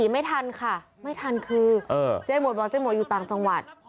๒๔ไม่ทันค่ะไม่ทันคือเจ้าไอ้หมวนบอกเจ้าไอ้หมวนอยู่ต่างจังหวัด